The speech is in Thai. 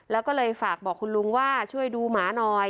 แล้วก็เลยฝากบอกคุณลุงว่าช่วยดูหมาหน่อย